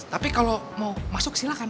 tapi kalau mau masuk silahkan